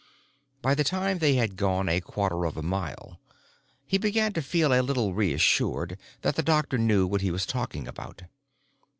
By the time they had gone a quarter of a mile, he began to feel a little reassured that the doctor knew what he was talking about.